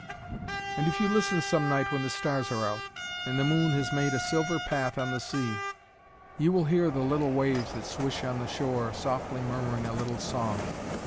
And if you listen some night when the stars are out, and the moon has made a silver path on the sea, you will hear the little waves that swish on the shore softly murmuring a little song.